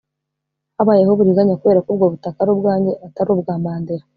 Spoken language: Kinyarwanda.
habayeho uburiganya kubera ko ubwo butaka ari ubwanjye atari ubwa Mandela”